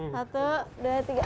satu dua tiga